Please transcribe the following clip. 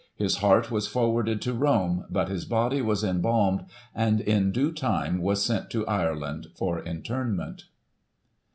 His heart was forwarded to Rome, but his body was embalmed^ and, in due time, was sent to Ireland for interment.